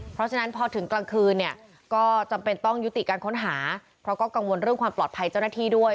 เพราะฉะนั้นพอถึงกลางคืนเนี่ยก็จำเป็นต้องยุติการค้นหาเพราะก็กังวลเรื่องความปลอดภัยเจ้าหน้าที่ด้วย